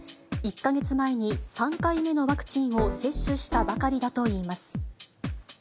１か月前に３回目のワクチンを接種したばかりだといいます。